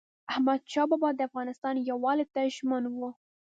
احمدشاه بابا د افغانستان یووالي ته ژمن و.